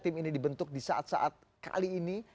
apakah hal ini dibentuk di saat saat kali ini